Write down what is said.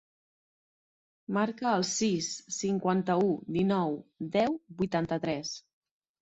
Marca el sis, cinquanta-u, dinou, deu, vuitanta-tres.